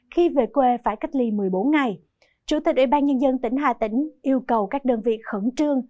khi về quê phải cách ly một mươi bốn ngày chủ tịch ủy ban nhân dân tỉnh hà tĩnh yêu cầu các đơn vị khẩn trương